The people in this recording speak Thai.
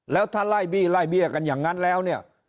แล้วถ้าไล่บี้ไล่เบี้ยกันอย่างนั้นแล้วเนี่ย